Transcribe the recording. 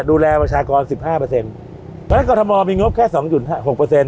ดูแลประชากรสิบห้าเปอร์เซ็นต์เพราะฉะนั้นกรทมมีงบแค่สองจุดห้าหกเปอร์เซ็น